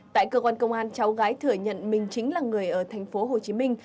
tại cơ quan công an cháu gái thừa nhận mình chính là người ở thành phố hồ chí minh